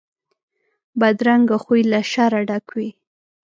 بدرنګه خوی له شره ډک وي